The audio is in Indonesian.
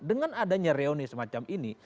dengan adanya reuni semacam ini